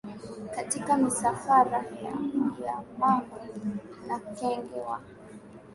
katika misafara ya ya mamba na kenge wa